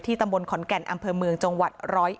ตำบลขอนแก่นอำเภอเมืองจังหวัด๑๐๑